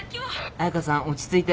彩佳さん落ち着いて。